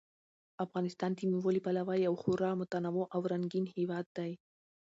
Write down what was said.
افغانستان د مېوو له پلوه یو خورا متنوع او رنګین هېواد دی.